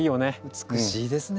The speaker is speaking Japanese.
美しいですね。